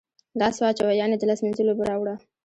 لاس واچوه ، یعنی د لاس مینځلو اوبه راوړه